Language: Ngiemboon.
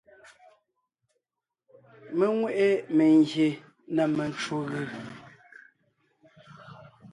Mé nwé ʼe mengyè na mencwò gʉ.